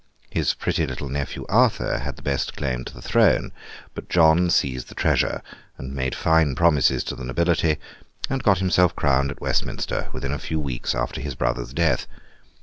His pretty little nephew Arthur had the best claim to the throne; but John seized the treasure, and made fine promises to the nobility, and got himself crowned at Westminster within a few weeks after his brother Richard's death.